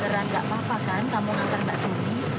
beneran nggak apa apa kan kamu hantar mbak sumi